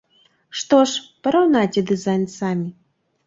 Што ж, параўнайце дызайн самі.